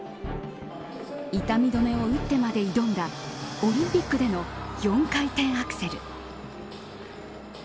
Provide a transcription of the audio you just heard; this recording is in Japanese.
痛み止めを打ってまで挑んだオリンピックでの４回転アクセル。